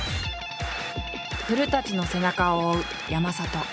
古の背中を追う山里。